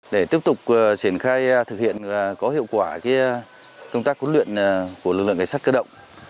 để tiếp tục triển khai thực hiện có hiệu quả công tác huấn luyện của lực lượng cảnh sát cơ động